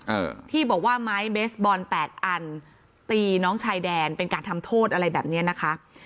อ่าที่บอกว่าไม้เบสบอลแปดอันตีน้องชายแดนเป็นการทำโทษอะไรแบบเนี้ยนะคะ